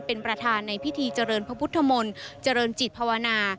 เป็นประธานในพิธีเจริญพระพุทธมนตร์เจริญจิตภาวนา